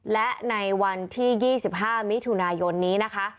และในวันที่๒๕มิถุนายนนี้นะคะ